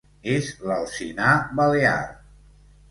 És l'alzinar balear.